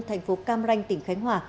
thành phố cam ranh tỉnh khánh hòa